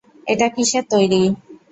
এটা কীসের তৈরি?